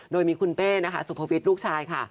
โดยมีคุณเป้นะคะสุภวิทย์ลูกชายค่ะ